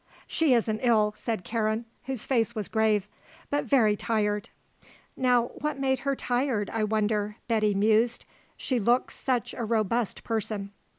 "She isn't ill," said Karen, whose face was grave. "But very tired." "Now what made her tired, I wonder?" Betty mused. "She looks such a robust person."